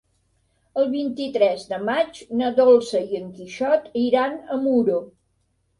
El vint-i-tres de maig na Dolça i en Quixot iran a Muro.